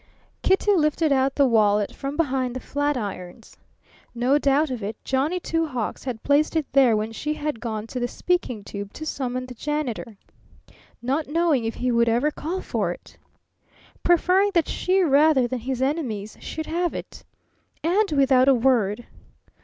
Kitty lifted out the wallet from behind the flatirons. No doubt of it, Johnny Two Hawks had placed it there when she had gone to the speaking tube to summon the janitor. Not knowing if he would ever call for it! Preferring that she rather than his enemies should have it. And without a word!